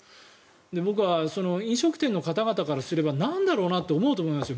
僕は飲食店の方からすればなんだろうと思いますよ。